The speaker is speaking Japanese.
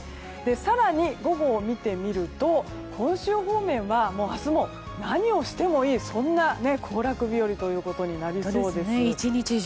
更に午後を見てみると本州方面は明日も、何をしてもいいそんな行楽日和となりそうです。